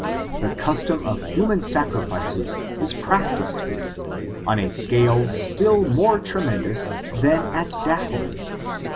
The custom of human sacrifices is practiced here, on a scale still more tremendous than at Daho mey.